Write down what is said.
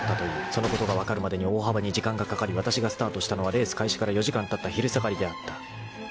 ［そのことが分かるまでに大幅に時間がかかりわたしがスタートしたのはレース開始から４時間たった昼下がりであった］